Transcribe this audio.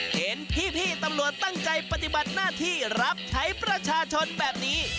เห็นพี่ตำรวจตั้งใจปฏิบัติหน้าที่รับใช้ประชาชนแบบนี้